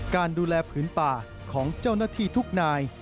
การดูแลผืนป่าของเจ้าหน้าที่ทุกนาย